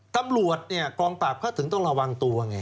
ทำรวจกลองตากเพราะถึงต้องระวังตัว